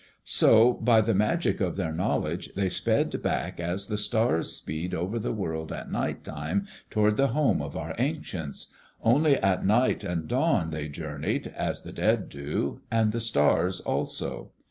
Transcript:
So by the magic of their knowledge they sped back as the stars speed over the world at night time, toward the home of our ancients. Only at night and dawn they journeyed, as the dead do, and the stars also.